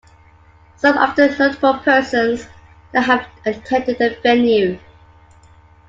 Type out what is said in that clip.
Some of the notable persons that have attended the venue.